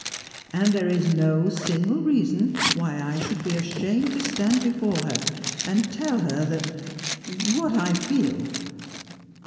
And there is no single reason why I should be ashamed to stand before her, and tell her that What I feel."